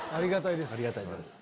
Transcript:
ありがたいです。